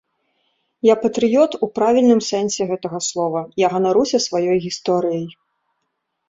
Я патрыёт у правільным сэнсе гэтага слова, я ганаруся сваёй гісторыяй.